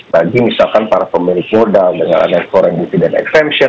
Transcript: bagi misalkan para pemilik modal dengan adanya foreign dividend exemption